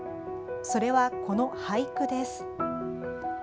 それは、この俳句です。